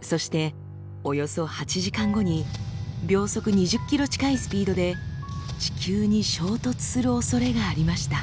そしておよそ８時間後に秒速２０ｋｍ近いスピードで地球に衝突するおそれがありました。